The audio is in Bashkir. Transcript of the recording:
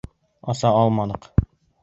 Аса алманыҡ.